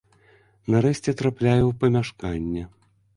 Нарэшце трапляю ў памяшканне.